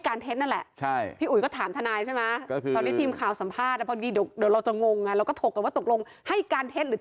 ก็จัดตำหนวดน้อยไปแล้วนี่จุกรูมีจุกรูส่งท้ายให้ด้วยค่ะมีจุกรูด้วย